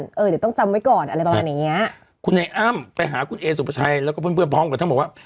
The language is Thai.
เออเดี๋ยวต้องจำไว้ก่อนอะไรแบบแบบนี้คุณนายอ้ำไปหาคุณเอสุประชัยแล้วก็เพื่อนเพื่อนพร้อมกันทั้งหมดว่า